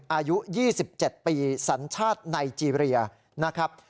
อายุ๒๗ปีสัญชาติไนเจรียนะครับ